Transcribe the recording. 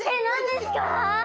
何ですか？